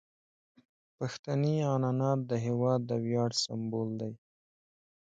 پښتني عنعنات د هیواد د ویاړ سمبول دي.